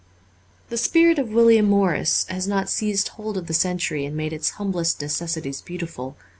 The spirit of William Morris has not seized hold of the century and made its humblest necessities beautiful.